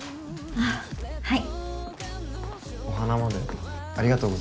あっはい。